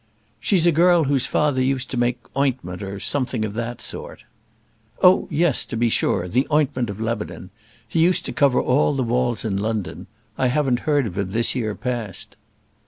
"She's a girl whose father used to make ointment, or something of that sort." "Oh, yes, to be sure; the ointment of Lebanon. He used to cover all the walls in London. I haven't heard of him this year past."